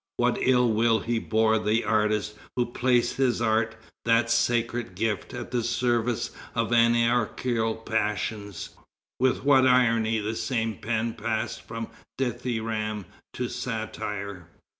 What ill will he bore the artist who placed his art, that sacred gift, at the service of anarchical passions! With what irony the same pen passed from dithyramb to satire!